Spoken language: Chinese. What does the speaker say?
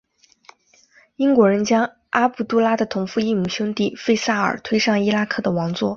英国人将阿卜杜拉的同父异母兄弟费萨尔推上伊拉克的王座。